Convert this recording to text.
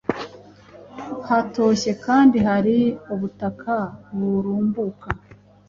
hatoshye kandi hari ubutaka burumbuka